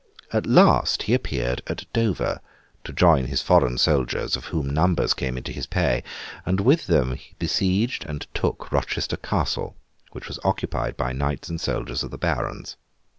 At last he appeared at Dover, to join his foreign soldiers, of whom numbers came into his pay; and with them he besieged and took Rochester Castle, which was occupied by knights and soldiers of the Barons.